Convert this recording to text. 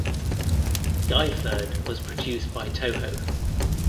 "Guyferd" was produced by Toho.